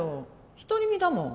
独り身だもん。